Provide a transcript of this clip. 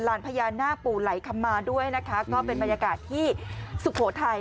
พญานาคปู่ไหลคำมาด้วยนะคะก็เป็นบรรยากาศที่สุโขทัย